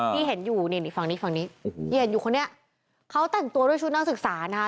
ที่เห็นอยู่นี่นี่ฝั่งนี้ฝั่งนี้ที่เห็นอยู่คนนี้เขาแต่งตัวด้วยชุดนักศึกษานะคะ